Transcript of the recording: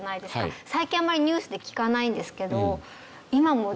最近あんまりニュースで聞かないんですけど今も。